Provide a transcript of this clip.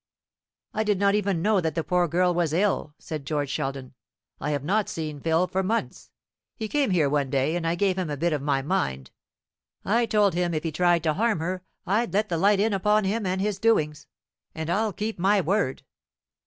"I did not even know that the poor girl was ill," said George Sheldon. "I have not seen Phil for months. He came here one day, and I gave him a bit of my mind. I told him if he tried to harm her I'd let the light in upon him and his doings. And I'll keep my word."